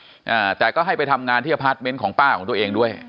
อ่าแต่ก็ให้ไปทำงานที่ของป้าของตัวเองด้วย